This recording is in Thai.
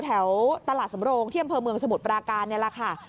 แถวตลาดสำรงค์เที่ยวเมืองสมุดปราการนี่แหละค่ะ